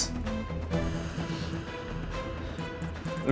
temen dua dah nyelam